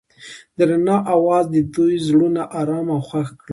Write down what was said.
د رڼا اواز د دوی زړونه ارامه او خوښ کړل.